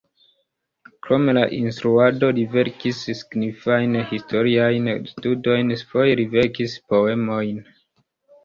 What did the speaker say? Krom la instruado li verkis signifajn historiajn studojn, foje li verkis poemojn.